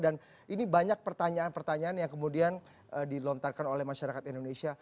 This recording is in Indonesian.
dan ini banyak pertanyaan pertanyaan yang kemudian dilontarkan oleh masyarakat indonesia